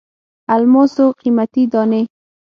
الماسو قیمتي دانې.